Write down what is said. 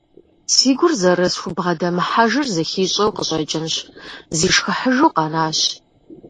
Си гур зэрысхубгъэдэмыхьэжыр зэхищӏэу къыщӏэкӏынщ, зишхыхьыжу къэнащ.